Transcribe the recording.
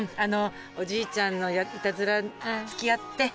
おじいちゃんのいたずらにつきあって。